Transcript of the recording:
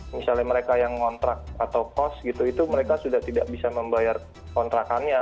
misalnya mereka yang ngontrak atau kos gitu itu mereka sudah tidak bisa membayar kontrakannya